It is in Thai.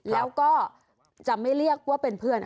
แล้วก็จะไม่เรียกว่าเป็นเพื่อน